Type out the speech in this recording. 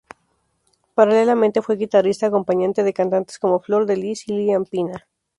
Paralelamente fue guitarrista acompañante de cantantes como Flor de Lis y Lilian Pina.